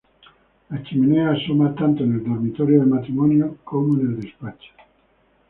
La chimenea asoma tanto en el dormitorio del matrimonio como en el despacho.